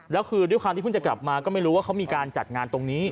แล้วคือด้วยความที่เพิ่งจะกลับมาก็ไม่รู้ว่าเขามีการจัดงานตรงนี้